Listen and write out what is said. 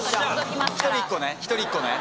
１人１個ね１人１個ね。